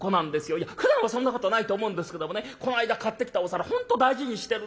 いやふだんはそんなことないと思うんですけどもねこの間買ってきたお皿本当大事にしてるんですよ。